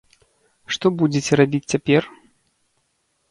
Што будзеце рабіць цяпер?